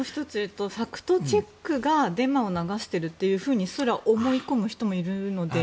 ファクトチェックがデマを流しているとすら思い込む人もいるので。